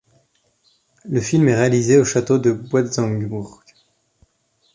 Le film est réalisé au château de Boitzenburg.